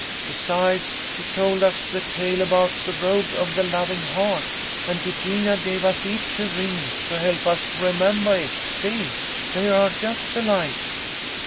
Besides, she told us the tale about the Road of the Loving Heart, and Eugenia gave us each a ring to help us remembah it. See ? They are just alike."